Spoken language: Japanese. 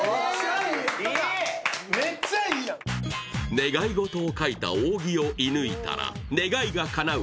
願い事を書いた扇を射ぬいたら願いが叶う